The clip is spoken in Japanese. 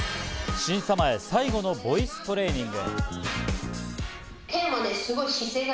審査前、最後のボイストレーニング。